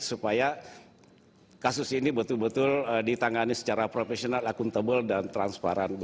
supaya kasus ini betul betul ditangani secara profesional akuntabel dan transparan